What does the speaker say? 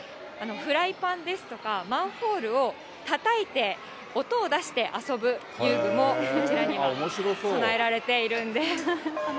フライパンですとか、マンホールをたたいて、音を出して遊ぶ遊具もこちらには備えられているんです。